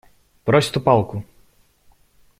Брось эту палку!